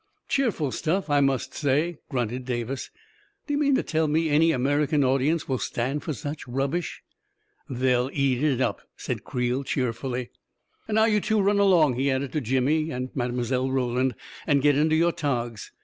" Cheerful stuff, I must say !" grunted Davis. " Do you mean to tell me any American audience will stand for such rubbish ?"" They'll eat it up I " said Creel cheerfully. " And now you two run along," he added to Jimmy and Mile. Roland, " and get into your togs.